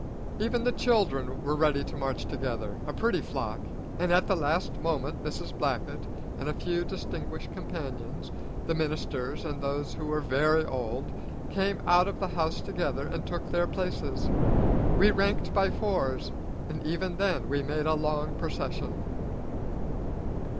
Even the children were ready to march together, a pretty flock, and at the last moment Mrs. Blackett and a few distinguished companions, the ministers and those who were very old, came out of the house together and took their places. We ranked by fours, and even then we made a long procession.